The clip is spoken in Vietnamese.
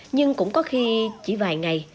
nhưng cũng có khi chỉ vài ngày